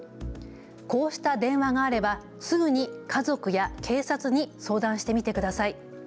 こうした電話があればすぐに家族や警察に相談してみてください。